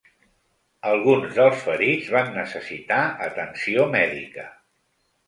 Alguns dels ferits van necessitar atenció mèdica.